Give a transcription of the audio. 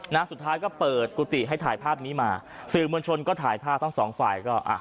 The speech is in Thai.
นะสุดท้ายก็เปิดกุฏิให้ถ่ายภาพนี้มาสื่อมวลชนก็ถ่ายภาพทั้งสองฝ่ายก็อ่ะ